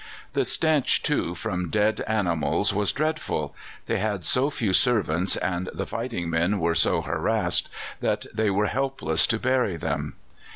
The stench, too, from dead animals was dreadful: they had so few servants, and the fighting men were so harassed, that they were helpless to bury them.